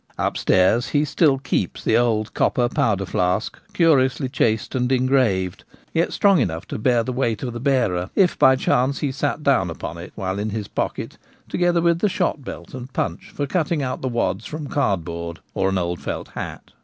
Upstairs he still keeps the old copper powder flask curiously chased and engraved, yet strong enough to bear the weight of the bearer, if by chance he sat down upon it while in his pocket, together with the shot belt and punch for cutting out the wads from card board or an old felt hat.